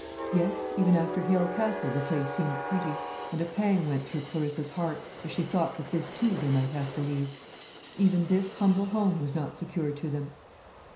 Yes, even after Hale Castle the place seemed pretty; and a pang went through Clarissa's heart, as she thought that this too they might have to leave; even this humble home was not secure to them.